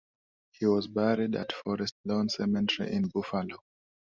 He was buried at Forest Lawn Cemetery in Buffalo.